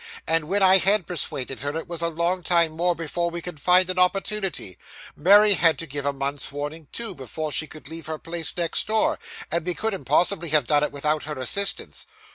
And when I had persuaded her, it was a long time more before we could find an opportunity. Mary had to give a month's warning, too, before she could leave her place next door, and we couldn't possibly have done it without her assistance.